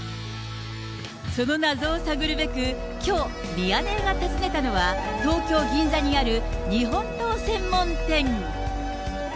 その謎を探るべく、きょう、ミヤネ屋が訪ねたのは、東京・銀座にある日本刀専門店。